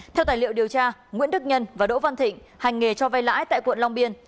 theo tài liệu điều tra nguyễn đức nhân và đỗ văn thịnh hành nghề cho vay lãi tại quận long biên